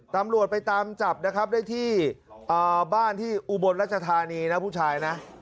ตำรวจไปตามจับนะครับได้ที่บ้านที่อุบลรัชธานีนะผู้ชายนะ